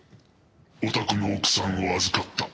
「お宅の奥さんを預かった」